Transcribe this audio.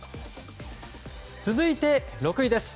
続いて６位です。